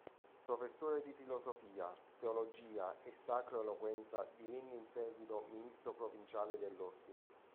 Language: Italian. Professore di filosofia, teologia e sacra eloquenza divenne in seguito ministro provinciale dell'Ordine.